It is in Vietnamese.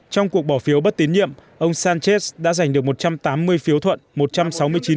trong cuộc bỏ phiếu bất tín nhiệm ông sánchez đã giành được một trăm tám mươi phiếu thuận